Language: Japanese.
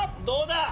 どうだ